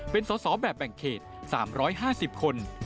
เป็นสอสอแบบแบ่งเขต๓๕๐คน